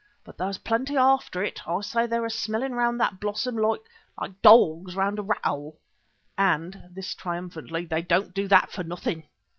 "But there's plenty after it. I say they're a smelling round that blossom like, like dawgs round a rat hole. And" (this triumphantly) "they don't do that for nothing."